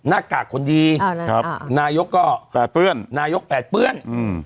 หน้ากากคนดีนายกก็แปดเปื้อนนายกแปดเปื้อนอืม